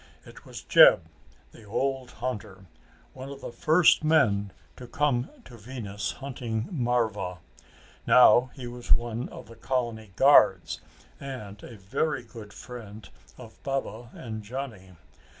It was Jeb, the old hunter, one of the first men to come to Venus hunting marva. Now he was one of the colony guards, and a very good friend of Baba and Johnny.